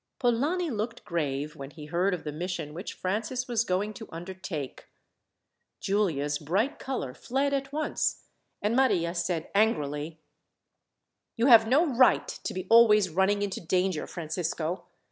Polani looked grave, when he heard of the mission which Francis was going to undertake. Giulia's bright colour fled at once, and Maria said angrily: "You have no right to be always running into danger, Francisco.